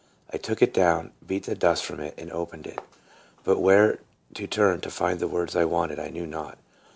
I took it down, beat the dust from it, and opened it. But where to turn to find the words I wanted I knew not.